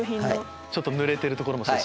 ちょっとぬれてるところも。